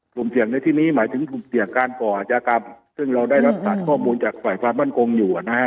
กลุ่มเสี่ยงในที่นี้หมายถึงกลุ่มเสี่ยงการก่ออาจยากรรมซึ่งเราได้รับสารข้อมูลจากฝ่ายความมั่นคงอยู่นะฮะ